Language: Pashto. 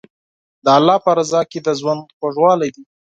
د الله په رضا کې د ژوند خوږوالی دی.